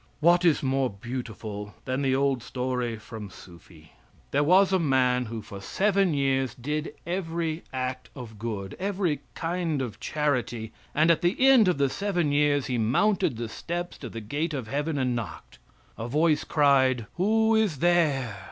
What is more beautiful than the old story from Sufi? There was a man who for seven years did every act of good, every kind of charity, and at the end of the seven years he mounted the steps to the gate of heaven and knocked. A voice cried, "Who is there?"